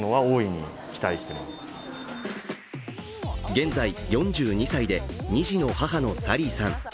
現在、４２歳で２児の母のサリーさん。